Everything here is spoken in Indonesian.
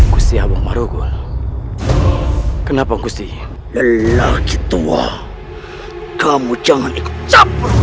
kusia bongmaru guna kenapa kusih lelaki tua kamu jangan ikut campur